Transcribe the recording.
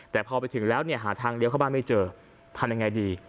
แต่พอไปถึงแล้วเนี่ยหาทางเลี้ยวเข้าบ้านไม่เจอทำยังไงดี